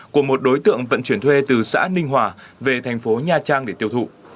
của một đối tượng vận chuyển thuê từ xã ninh hòa về thành phố nha trang để tiêu thụ